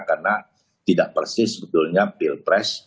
karena tidak persis sebetulnya pilprek